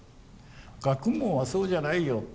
学問はそうじゃないよ。